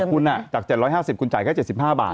คุณจาก๗๕๐คุณจ่ายแค่๗๕บาท